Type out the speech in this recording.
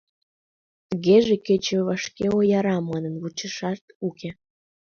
Тыгеже, кече вашке ояра манын, вучышашат уке.